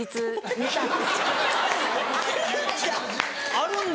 あるんだ。